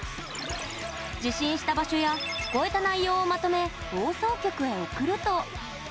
受信した場所や聞こえた内容をまとめ放送局へ送ると。